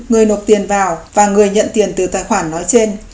người nộp tiền vào và người nhận tiền từ tài khoản nói trên